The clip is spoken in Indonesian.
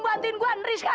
lo bantuin gue nriska